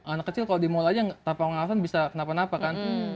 anak kecil kalau di mall aja tanpa pengawasan bisa kenapa napa kan